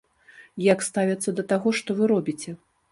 Як ставяцца да таго, што вы робіце?